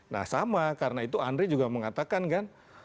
nah sama karena itu andre juga mengatakan kan